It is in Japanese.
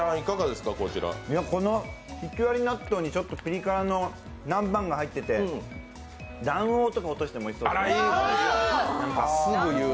挽き割り納豆にちょっとピリ辛が入ってて、卵黄とか落としてもおいしそうですね。